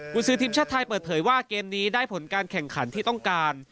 คุณซื้อทีมชาติไทยเปิดเผยว่าเกมนี้ได้ผลการแข่งขันที่ต้องการ